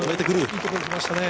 いいところに来ましたね。